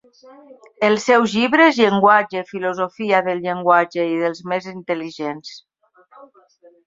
Els seus llibres, llenguatge, filosofia del llenguatge i dels més intel·ligents.